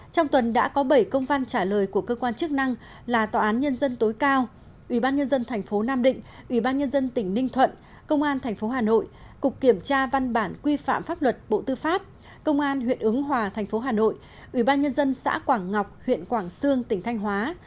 trong tuần đã có bảy công văn trả lời của cơ quan chức năng là tòa án nhân dân tối cao ủy ban nhân dân thành phố nam định ủy ban nhân dân tỉnh ninh thuận công an tp hà nội cục kiểm tra văn bản quy phạm pháp luật bộ tư pháp công an huyện ứng hòa thành phố hà nội ubnd xã quảng ngọc huyện quảng sương tỉnh thanh hóa